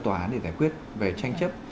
tòa án để giải quyết về tranh chấp